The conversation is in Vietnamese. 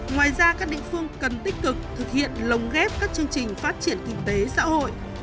ngoài ra các địa phương cần tích cực thực hiện lồng ghép các chương trình phát triển kinh tế xã hội